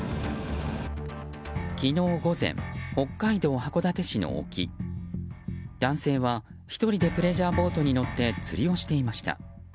昨日午前、北海道函館市の沖男性は１人でプレジャーボートに乗って釣りをしていました。